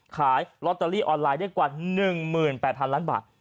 ขายลอตเตอรี่ออนไลน์ได้กว่า๑๘๐๐๐ล้านบาท